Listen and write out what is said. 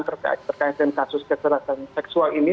terkait dengan kasus kekerasan seksual ini